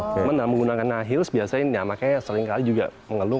namun dalam menggunakan high heels biasanya ya makanya seringkali juga mengeluh